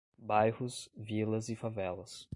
Bairros, vilas e favelas